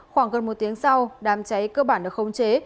khoảng gần một tiếng sau đám cháy cơ bản được khống chế